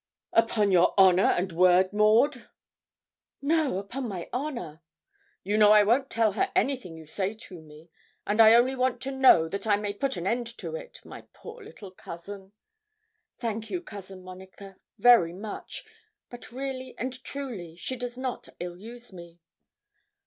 'Upon your honour and word, Maud?' 'No, upon my honour.' 'You know I won't tell her anything you say to me; and I only want to know, that I may put an end to it, my poor little cousin.' 'Thank you, Cousin Monica very much; but really and truly she does not ill use me.'